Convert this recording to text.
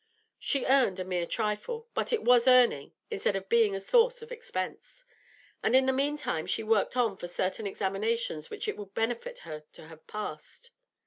She earned a mere trifle; but it was earning, instead of being a source of expense. And in the meantime she worked on for certain examinations which it would benefit her to have passed.